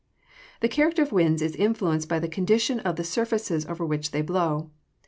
_ The character of winds is influenced by the condition of the surfaces over which they blow.